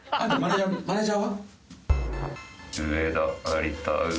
マネージャーは？